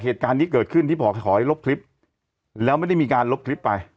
เหตุการณ์นี้เกิดขึ้นที่บอกขอให้ลบคลิปแล้วไม่ได้มีการลบคลิปไป